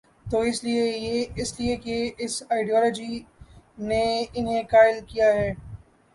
تو اس لیے کہ اس آئیڈیالوجی نے انہیں قائل کیا ہے۔